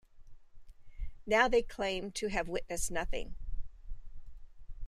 Now they claim to have witnessed nothing.